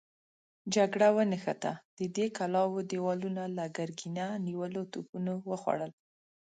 جګړه ونښته، د دې کلاوو دېوالونه له ګرګينه نيولو توپونو وخوړل.